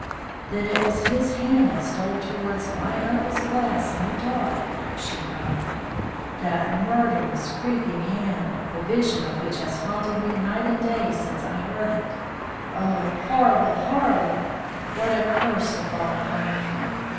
"Then it was his hand that stole towards my uncle's glass in the dark!" she cried; "that murderous, creeping hand, the vision of which has haunted me night and day since I heard of it. Oh, horrible! horrible! What a curse to fall upon a man!